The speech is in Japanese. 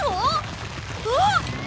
あっ！